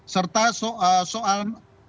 serta soal telekomunikasi